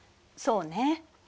そうね。